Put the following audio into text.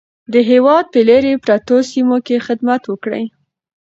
د هېواد په لیرې پرتو سیمو کې خدمت وکړئ.